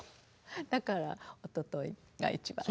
だからおとといが一番。